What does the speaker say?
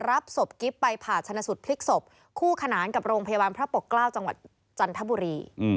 รับศพกิ๊บไปผ่าชนะสุดพลิกศพคู่ขนานกับโรงพยาบาลพระปกเกล้าจังหวัดจันทบุรี